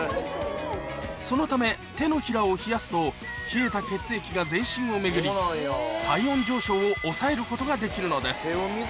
そのため手のひらを冷やすと冷えた血液が全身を巡りことができるのです